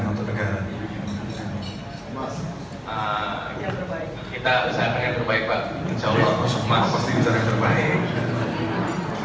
emas yang terbaik kita bisa dengan terbaik pak insya allah emas apa sih yang terbaik